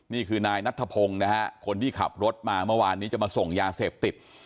นี่คือนายนัทธพงศ์นะฮะคนที่ขับรถมาเมื่อวานนี้จะมาส่งยาเสพติด